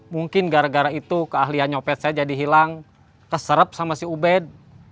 mungkin gara gara itu keahlian nyopet saya jadi hilang keserep sama si ubed